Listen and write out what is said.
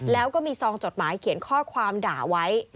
แล้วก็มีซองจดหมายเขียนข้อความด่าไว้